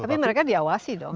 tapi mereka diawasi dong